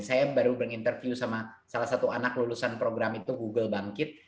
saya baru menginterview sama salah satu anak lulusan program itu google bangkit